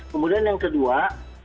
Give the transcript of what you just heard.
kemudian yang terakhir